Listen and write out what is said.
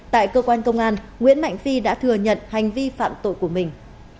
tại cơ quan công an nguyễn mạnh phi đã thừa nhận hành vi phạm tội của mình